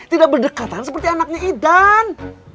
tidak berdekatan seperti anaknya idan